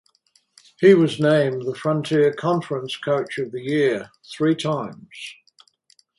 He was named the Frontier Conference Coach of the Year three times.